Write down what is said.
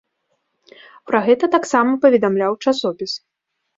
Пра гэта таксама паведамляў часопіс.